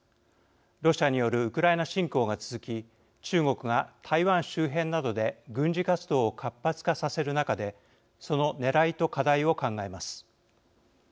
ロシアによるウクライナ侵攻が続き中国が台湾周辺などで軍事活動を活発化させる中でそのねらいと課題を考えます。